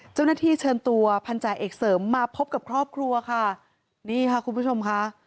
เจ้าหน้าที่เชิญตัวพันธาเอกเสริมมาพบกับครอบครัวค่ะนี่ค่ะคุณผู้ชมค่ะ